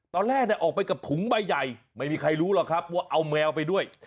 ตอนแรกออกไปกับถุงใบใหญ่ไม่มีใครรู้หรอกครับว่าเอาแมวไปด้วย